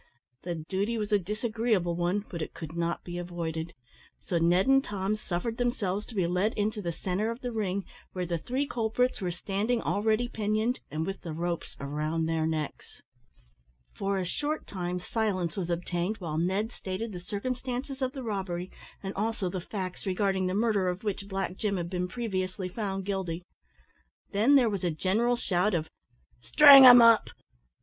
The duty was a disagreeable one, but it could not be avoided, so Ned and Tom suffered themselves to be led into the centre of the ring where the three culprits were standing already pinioned, and with the ropes round their necks. For a short time silence was obtained while Ned stated the circumstances of the robbery, and also the facts regarding the murder of which Black Jim had been previously found guilty. Then there was a general shout of "String 'em up!"